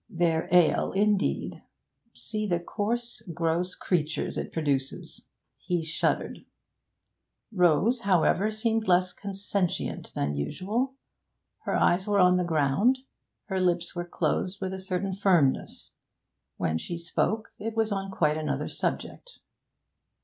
'Their ale, indeed! See the coarse, gross creatures it produces!' He shuddered. Rose, however, seemed less consentient than usual. Her eyes were on the ground; her lips were closed with a certain firmness. When she spoke, it was on quite another subject.